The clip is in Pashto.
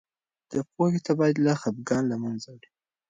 د پوهې تبادله خفګان له منځه وړي.